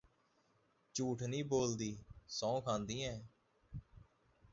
ਝੂਠ ਨ੍ਹੀਂ ਬੋਲਦੀ ਸਹੂੰ ਖਾਂਦੀ ਐ